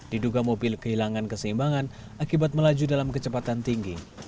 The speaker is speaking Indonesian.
diduga mobil kehilangan keseimbangan akibat melaju dalam kecepatan tinggi